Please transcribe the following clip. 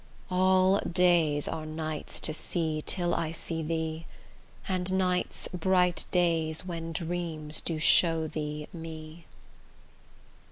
All days are nights to see till I see thee, And nights bright days when dreams do show thee me.